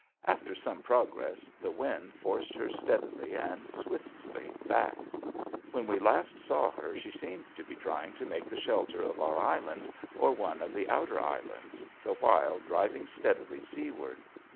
After some progress the wind forced her steadily and swiftly back. When we last saw her she seemed to be trying to make the shelter of our island or one of the outer islands, the while driving steadily seaward.